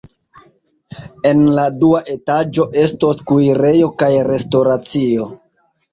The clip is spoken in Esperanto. En la dua etaĝo estos kuirejo kaj restoracio.